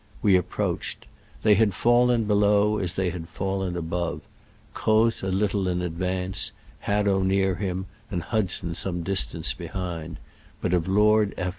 We approached. They had fall en below as they had fallen above — Croz a httle in advance, Hadow near him, and Hudson some distance behind, but of Lord F.